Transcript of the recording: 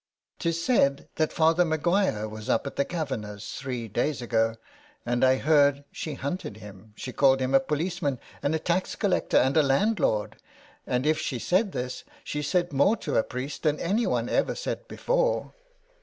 " 'Tis said that Father Maguire was up at the Kavanagh's three days ago, and I heard that she hunted him. She called him a policeman, and a tax collector, and a landlord, and if she said this she said more to a priest than anyone ever said before.